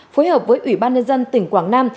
phối hợp với ủy ban nhân dân tỉnh quảng nam